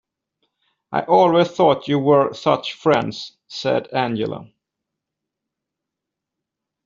"I always thought you were such friends," said Angela.